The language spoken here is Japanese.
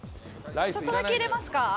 ちょっとだけ入れますか？